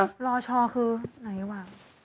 รอชอคือไหนวะ